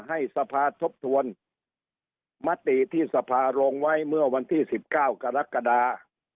ให้สภาทบทวนมติที่สภาลงไว้เมื่อวันที่๑๙กรกฎา